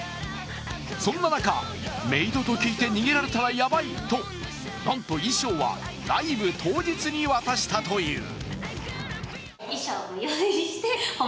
そんな中、メイドと聞いて逃げられたらヤバいと、なんと衣装はライブ当日に渡したという。